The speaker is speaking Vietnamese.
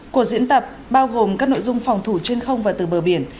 cuộc diễn tập bao gồm các nội dung phòng thủ trên không và từ bờ biển